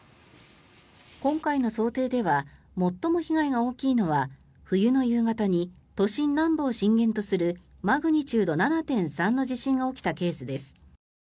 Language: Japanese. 今回の想定では最も被害が大きいのは冬の夕方に都心南部を震源とするマグニチュード７．３の地震が起きたケースです。